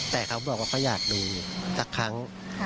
แต่เขาบอกว่าเขาอยากดูสักครั้ง